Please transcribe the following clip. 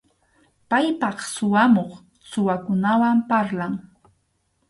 Paypaq suwamuq, suwakunawan parlan.